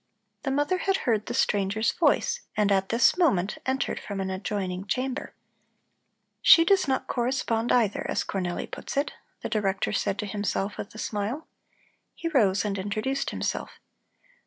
The mother had heard the stranger's voice and at this moment entered from an adjoining chamber. "She does not correspond, either, as Cornelli puts it," the Director said to himself with a smile. He rose and introduced himself.